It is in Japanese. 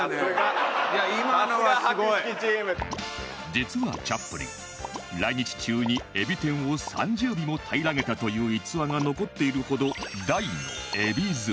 実はチャップリン来日中にエビ天を３０尾も平らげたという逸話が残っているほど